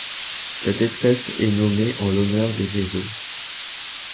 Cette espèce est nommée en l'honneur des Vezo.